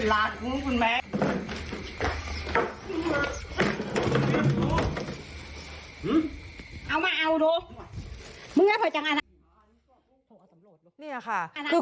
เอามาเอาดู